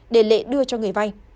để lệ đưa cho người vai